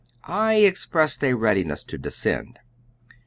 I expressed a readiness to descend.